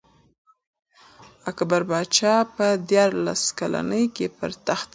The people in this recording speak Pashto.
اکبر پاچا په دیارلس کلنۍ کي پر تخت کښېناست.